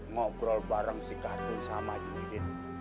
ngobrol bareng si katun sama juhid